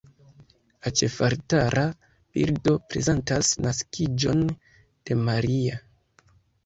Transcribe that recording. La ĉefaltara bildo prezentas Naskiĝon de Maria.